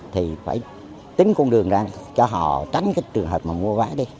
thì phải tính con đường ra cho họ tránh cái trường hợp mà mua vé đi